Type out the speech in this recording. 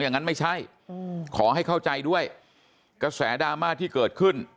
อย่างนั้นไม่ใช่ขอให้เข้าใจด้วยกระแสดราม่าที่เกิดขึ้น